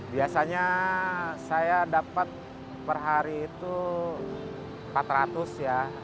biasanya saya dapat per hari itu empat ratus ya